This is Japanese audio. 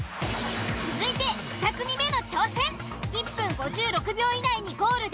続いて２組目の挑戦。